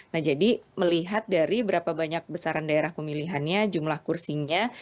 nah jadi melihat dari berapa banyak besaran daerah pemilihannya jumlah kursinya